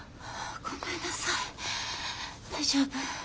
ごめんなさい大丈夫。